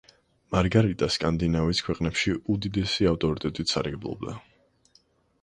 მარგარიტა სკანდინავიის ქვეყნებში უდიდესი ავტორიტეტით სარგებლობდა.